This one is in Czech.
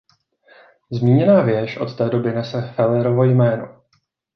Zmíněná věž od té doby nese Fellerovo jméno.